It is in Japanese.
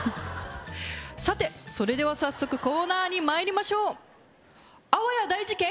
さてそれでは早速コーナーにまいりましょうあわや大事件？